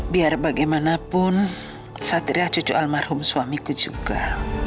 biar bagaimanapun satria cucu almarhum suamiku juga